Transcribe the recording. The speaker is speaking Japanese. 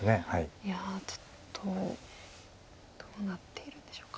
いやちょっとどうなっているんでしょうか。